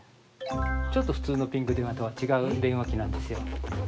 ちょっと普通のピンク電話とは違う電話機なんですよ。